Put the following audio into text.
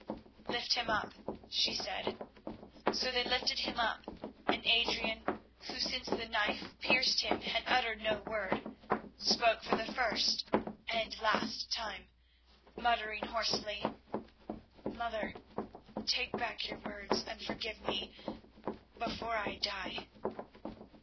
"Lift him up," she said. So they lifted him up, and Adrian, who, since the knife pierced him had uttered no word, spoke for the first and last time, muttering hoarsely: "Mother, take back your words and forgive me—before I die."